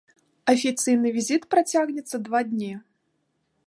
Афіцыйны візіт працягнецца два дні.